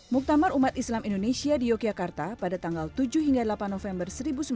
muktamar umat islam indonesia di yogyakarta pada tanggal tujuh hingga delapan november seribu sembilan ratus empat puluh lima